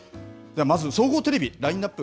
まず総合テレビラインアップ